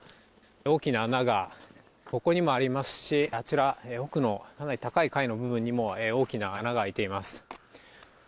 大きな穴が、ここにもありますし、あちら、奥のかなり高い階の部分にも、大きな穴が開いています。